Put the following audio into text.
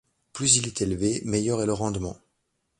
Plus il est élevé, meilleur est le rendement.